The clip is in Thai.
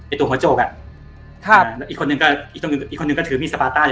ไอ้ตัวหัวโจกอ่ะครับอีกคนนึงก็อีกคนนึงก็ถือมีสปาร์ต้า